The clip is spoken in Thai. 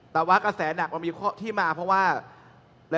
แต่ว่ากระแสหนักมันมีที่มาเพราะว่า